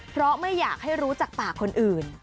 เพราะไม่อยากให้รู้จากปากคนอื่น